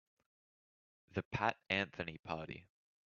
The Pat Anthony Party.